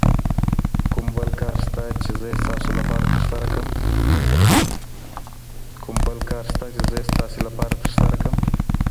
کوم بل کار سته چي زه یې ستاسو لپاره ترسره کړم؟